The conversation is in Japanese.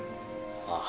ああ。